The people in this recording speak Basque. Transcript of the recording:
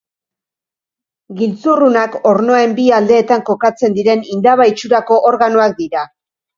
Giltzurrunak ornoen bi aldeetan kokatzen diren indaba itxurako organoak dira.